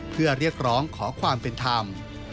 เพื่อเรียกร้องขอความเป็นธรรม